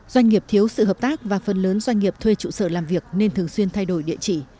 doanh nghiệp thiếu sự hợp tác và phần lớn doanh nghiệp thuê trụ sở làm việc nên thường xuyên thay đổi địa chỉ